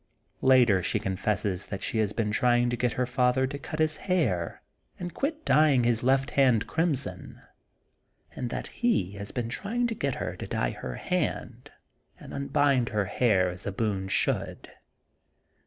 Later she confesses she has been try ing to get her father to cut his hair and quit dyeing his left hand crimson and that he has been trying to get her to dye her hand and unbind her hair as a Boone should.